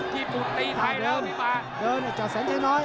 เดินให้เจาะแสนใจน้อย